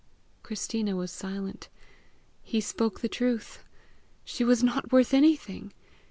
Christina was silent. He spoke the truth! She was not worth anything!